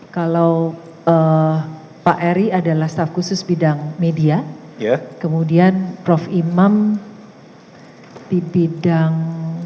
kalau pak eri adalah staf khusus bidang media kemudian prof imam di bidang